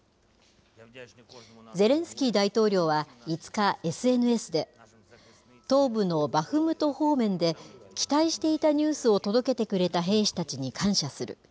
ゼレンスキー大統領は５日、ＳＮＳで、東部のバフムト方面で期待していたニュースを届けてくれた兵士たちに感謝する。